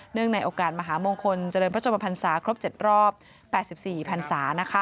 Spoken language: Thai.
ในโอกาสมหามงคลเจริญพระชมพันศาครบ๗รอบ๘๔พันศา